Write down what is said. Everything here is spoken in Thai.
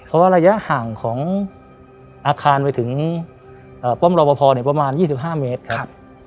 เพราะว่าระยะห่างของอาคารไปถึงอ่าป้อมรอบพอเนี่ยประมาณยี่สิบห้าเมตรครับครับ